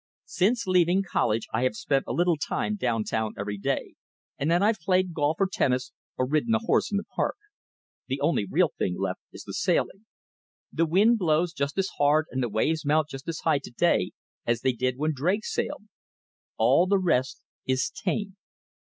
Since leaving college I have spent a little time down town every day; and then I've played golf or tennis or ridden a horse in the park. The only real thing left is the sailing. The wind blows just as hard and the waves mount just as high to day as they did when Drake sailed. All the rest is tame.